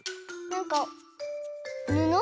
なんかぬの？